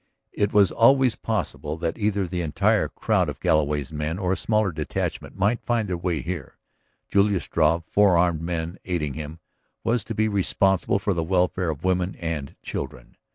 It was always possible that either the entire crowd of Galloway's men or a smaller detachment might find their way here. Julius Struve, four armed men aiding him, was to be responsible for the welfare of women and children.